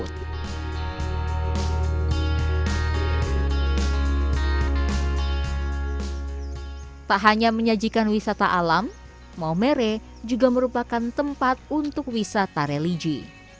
tak hanya menyajikan wisata alam maumere juga merupakan tempat untuk wisata religi